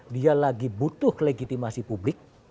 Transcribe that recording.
dia lagi butuh legitimasi publik